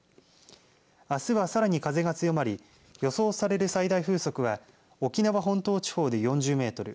あすはさらに風が強まり予想される最大風速は沖縄本島地方で４０メートル